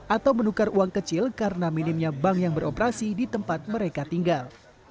atau menukar uang kecil karena minimnya bank yang beroperasi di tempat mereka tinggal